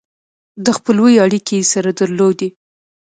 د خپلوۍ اړیکې یې سره درلودې.